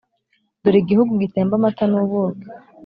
dore igihugu gitemba amata n’ubuki.